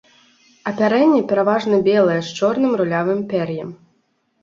Апярэнне пераважна белае з чорным рулявым пер'ем.